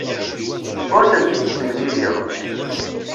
Ur tent-id-ttemlileɣ.